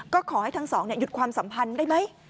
ก็ขอให้ทั้งสองหยุดความสัมพันธ์ได้ไหม